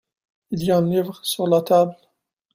Il y a un livre sur la table.